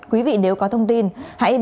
quý vị nếu có thông tin hãy báo ngay bình luận